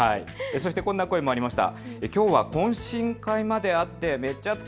こんな声もありました。